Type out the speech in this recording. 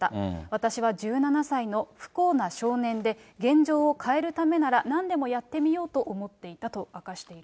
私は１７歳の不幸な少年で、現状を変えるためならなんでもやってみようと思っていたと明かしています。